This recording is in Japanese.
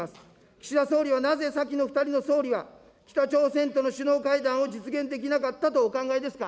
岸田総理はなぜ、先の２人の総理は、北朝鮮との首脳会談を実現できなかったとお考えですか。